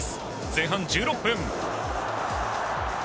前半１６分。